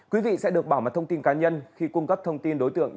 quý vị sẽ được bảo mật thông tin cá nhân khi cung cấp thông tin đối tượng